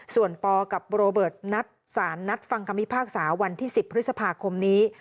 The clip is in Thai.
ส่วนปกับโรเบิร์ตนัดสารนัดฟังคำพิพากษาวันที่๑๐พฤษภาคมนี้